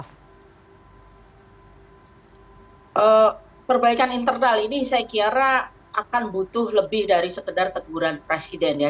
perbaikan internal ini saya kira akan butuh lebih dari sekedar teguran presiden ya